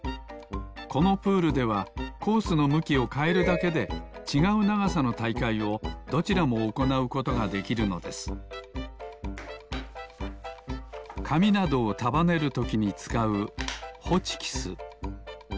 このプールではコースのむきをかえるだけでちがうながさのたいかいをどちらもおこなうことができるのですかみなどをたばねるときにつかうホチキス。